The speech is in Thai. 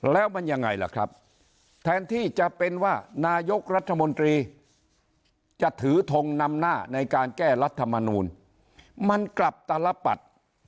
แล้วมันยังไงล่ะครับแทนที่จะเป็นว่านายกรัฐมนตรีจะถือทงนำหน้าในการแก้รัฐมนูลมันกลับตลปัด